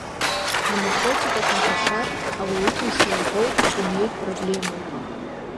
Анаркотикатә маҭәашьар ауаҩытәыҩса иаӷоу дунеитә проблемоуп.